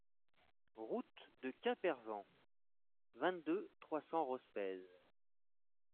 Route de Quemperven, vingt-deux, trois cents Rospez